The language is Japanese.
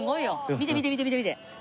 見て見て見て見て！